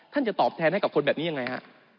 จะตอบแทนให้กับคนแบบนี้ยังไงฮะ